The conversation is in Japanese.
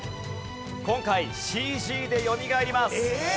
今回ＣＧでよみがえります！